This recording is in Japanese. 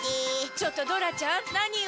ちょっとドラちゃん何を？